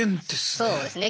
そうですね。